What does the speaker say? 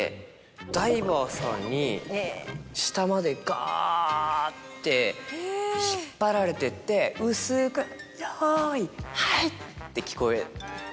ダイバーさんに下までガって引っ張られてって薄く「よいはい！」って聞こえて。